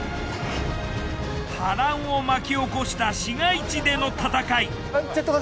波乱を巻き起こした市街地での戦い。